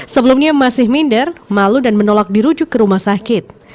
sebelumnya masih minder malu dan menolak dirujuk ke rumah sakit